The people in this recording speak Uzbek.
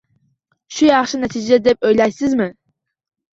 Shu yaxshi natija deb o‘ylaysizmi?